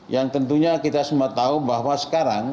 yang tentunya kita semua tahu bahwa sekarang